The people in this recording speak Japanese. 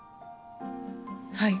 はい。